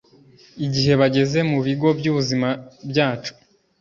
igihe bageze mu bigo byubuzima byacu